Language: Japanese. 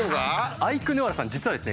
アイクぬわらさん実はですね